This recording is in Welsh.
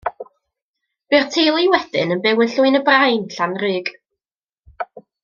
Bu'r teulu wedyn yn byw yn Llwyn-y-Brain, Llanrug.